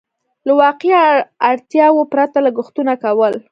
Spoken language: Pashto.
له واقعي اړتياوو پرته لګښتونه کول.